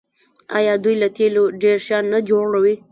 آیا دوی له تیلو ډیر شیان نه جوړوي؟